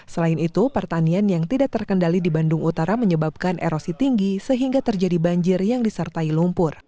selain itu pertanian yang tidak terkendali di bandung utara menyebabkan erosi tinggi sehingga terjadi banjir yang disertai lumpur